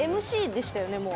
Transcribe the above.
ＭＣでしたよね。